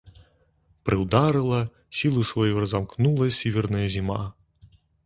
Прыўдарыла, сілу сваю разамкнула сіверная зіма.